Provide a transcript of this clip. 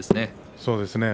そうですね